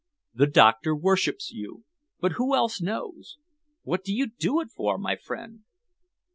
The doctor worships you but who else knows? What do you do it for, my friend?"